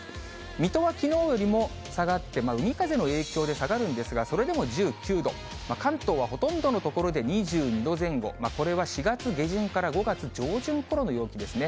水戸はきのうよりも下がって、海風の影響で下がるんですが、それでも１９度、関東はほとんどの所で２２度前後、これは４月下旬から５月上旬ころの陽気ですね。